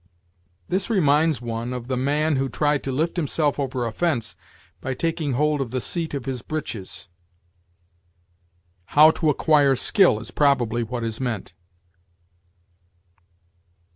This reminds one of the man who tried to lift himself over a fence by taking hold of the seat of his breeches. "How to acquire skill" is probably what is meant.